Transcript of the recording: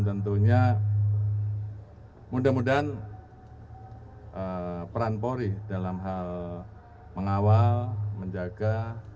tentunya mudah mudahan peran polri dalam hal mengawal menjaga